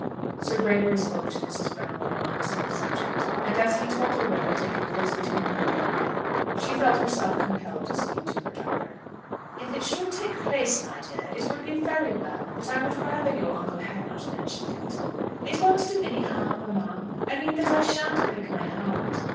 Sir Gregory spoke to Mrs. Brownlow on the same subject, and as he told her what had taken place between him and Edith, she felt herself compelled to speak to her daughter. "If it should take place, my dear, it would be very well; but I would rather your uncle had not mentioned it." "It won't do any harm, mamma. I mean, that I shan't break my heart."